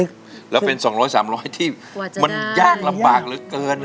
๒๐๐๓๐๐นะคะแล้วเป็น๒๐๐๓๐๐ที่มันยากลำบากเหลือเกิน